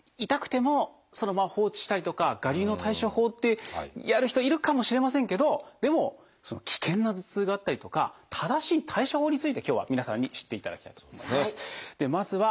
痛くてもそのまま放置したりとか我流の対処法ってやる人いるかもしれませんけどでも危険な頭痛があったりとか正しい対処法について今日は皆さんに知っていただきたいと思います。